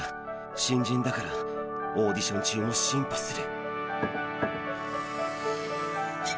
新人だから、オーディション中も進歩する。